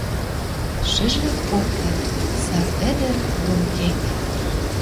Шӹжвӹк кокты: сар ӹдӹр дон кек.